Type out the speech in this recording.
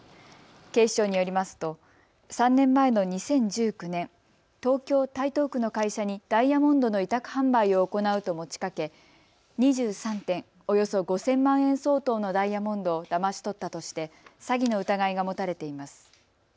警視庁によりますと３年前の２０１９年、東京台東区の会社にダイヤモンドの委託販売を行うと持ちかけ２３点およそ５０００万円相当のダイヤモンドをだまし取ったとして詐欺の疑いが持たれています。